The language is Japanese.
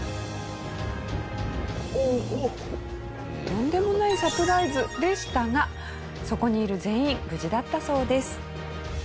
とんでもないサプライズでしたがそこにいる全員無事だったそうです。